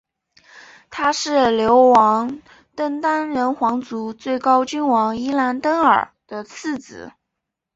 他是流亡登丹人皇族最高君王伊兰迪尔的次子。